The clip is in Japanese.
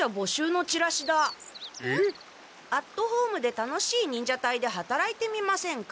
アットホームで楽しい忍者隊ではたらいてみませんか？